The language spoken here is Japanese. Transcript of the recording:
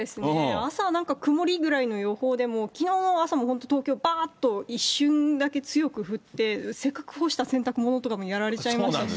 朝はなんか曇りぐらいの予報でも、気温は朝、東京、ばーっと一瞬だけ強く降って、せっかく干した洗濯物とかもやられちゃいましたし。